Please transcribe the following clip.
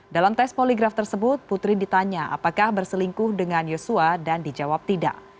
dalam tes poligraf tersebut putri ditanya apakah berselingkuh dengan yosua dan dijawab tidak